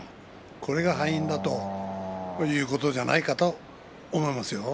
これが敗因だということじゃないかと思いますよ。